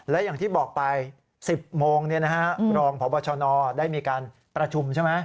และอย่างที่บอกไป๑๐โมงรองพบชนได้มีการประชุมใช่ไหม